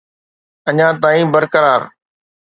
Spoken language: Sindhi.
اڃا تائين برقرار.